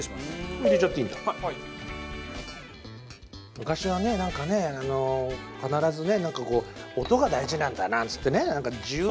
昔はねなんかね必ずね音が大事なんだなんつってねジュー！